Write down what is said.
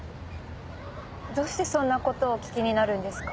どうしてそんな事をお聞きになるんですか？